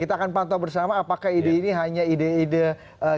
kita akan pantau bersama apakah ide ini hanya ide ide